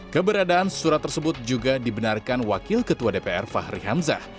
keberadaan surat tersebut juga dibenarkan wakil ketua dpr fahri hamzah